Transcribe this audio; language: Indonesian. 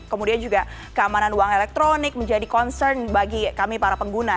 kemudian juga keamanan uang elektronik menjadi concern bagi kami para pengguna